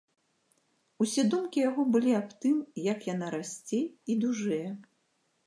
Усе думкі яго былі аб тым, як яна расце і дужэе.